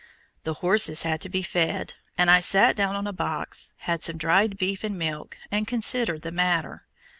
The horses had to be fed, and I sat down on a box, had some dried beef and milk, and considered the matter.